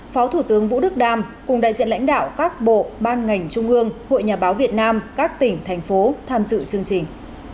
phó thủ tướng vũ đức đam cùng đại diện lãnh đạo các bộ ban ngành trung ương hội nhà báo việt nam các tỉnh thành phố tham dự chương trình